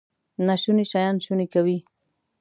ناشوني شیان شوني کوي.